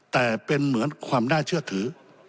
แต่เป็นเหมือนความน่าเชื่อถือ